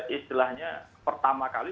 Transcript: istilahnya pertama kali